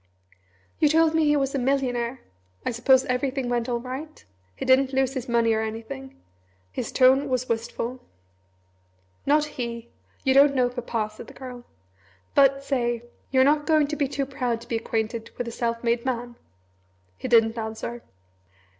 "You told me he was a millionaire! I suppose everything went all right? He didn't lose his money or anything?" His tone was wistful. "Not he! You don't know Papa!" said the Girl; "but, say, you're not going to be too proud to be acquainted with a self made man?" He didn't answer.